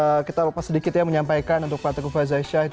benar ini tadi kita lupa sedikit ya menyampaikan untuk pak teku varianzai